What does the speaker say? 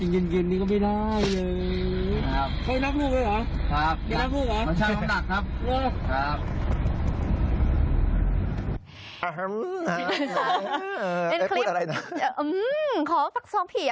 เย็นนี้ก็ไม่ได้เลย